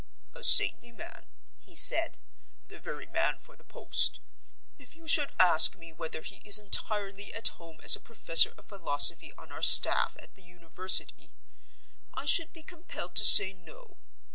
"A saintly man," he said, "the very man for the post. If you should ask me whether he is entirely at home as a professor of philosophy on our staff at the university, I should be compelled to say no.